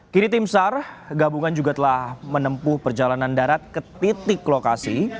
kini tim sar gabungan juga telah menempuh perjalanan darat ke titik lokasi